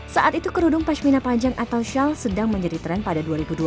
saat itu kerudung pashmina panjang atau shawl sedang menjadi tren pada dua ribu dua puluh